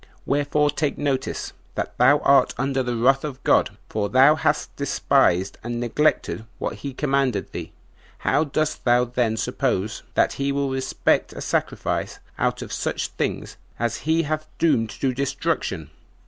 Wherefore take notice, that thou art under the wrath of God, for thou hast despised and neglected what he commanded thee. How dost thou then suppose that he will respect a sacrifice out of such things as he hath doomed to destruction?